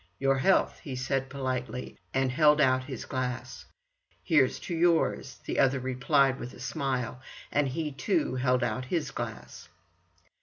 "Your health!" he said politely, and held out his glass. "Here's to yours!" the other replied with a smile, and he too held out his glass.